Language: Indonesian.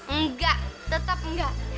enggak tetap enggak